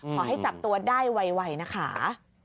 ขอให้จับตัวได้ไวนะคะ